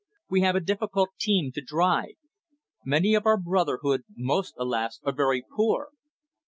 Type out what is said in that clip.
We have a difficult team to drive. Many of our brotherhood, most, alas, are very poor.